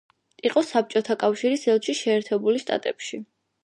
იყო საბჭოთა კავშირის ელჩი შეერთებული შტატებში.